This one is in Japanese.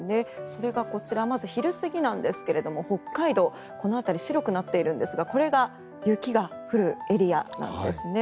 それがこちらまず昼過ぎなんですが北海道、この辺り白くなっているんですがこれが雪が降るエリアなんですね。